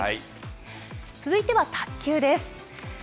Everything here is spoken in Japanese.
続いては卓球です。